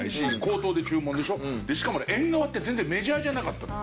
しかもねエンガワって全然メジャーじゃなかったの。